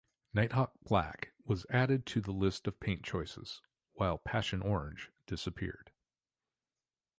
"Nighthawk Black" was added to the list of paint choices, while "Passion Orange" disappeared.